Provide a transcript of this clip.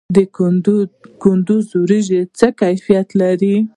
د کندز وریجې څه کیفیت لري؟